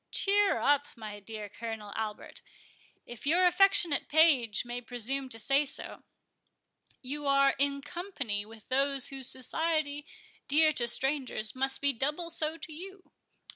Cheer up, my dear Colonel Albert, if your affectionate page may presume to say so—you are in company with those whose society, dear to strangers, must be doubly so to you.